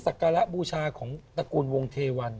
การะบูชาของตระกูลวงเทวัน